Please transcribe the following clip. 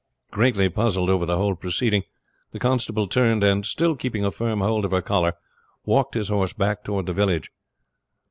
Greatly puzzled over the whole proceeding the constable turned, and still keeping a firm hold of her collar walked his horse back toward the village.